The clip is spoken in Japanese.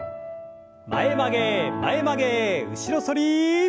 前曲げ前曲げ後ろ反り。